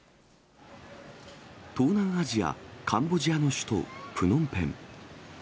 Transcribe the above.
東南アジア・カンボジアの首都プノンペン。